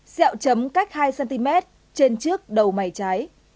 xẹo chấm cách hai cm trên trước đầu mày trái